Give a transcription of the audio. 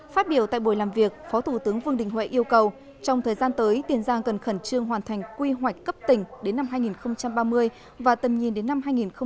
phát biểu tại buổi làm việc phó thủ tướng vương đình huệ yêu cầu trong thời gian tới tiền giang cần khẩn trương hoàn thành quy hoạch cấp tỉnh đến năm hai nghìn ba mươi và tầm nhìn đến năm hai nghìn bốn mươi